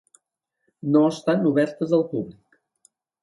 No estan obertes al públic.